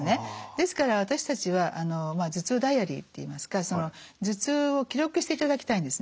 ですから私たちは頭痛ダイアリーっていいますか頭痛を記録していただきたいんですね。